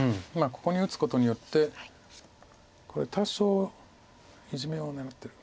ここに打つことによってこれ多少イジメを狙ってる。